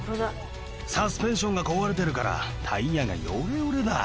サスペンションが壊れてるから、タイヤがよれよれだ。